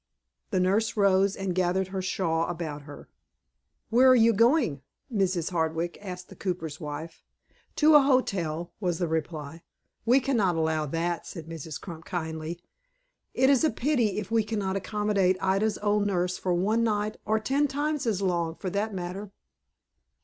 The nurse rose, and gathered her shawl about her. "Where are you going, Mrs. Hardwick?" asked the cooper's wife. "To a hotel," was the reply. "We cannot allow that," said Mrs. Crump, kindly. "It is a pity if we cannot accommodate Ida's old nurse for one night, or ten times as long, for that matter."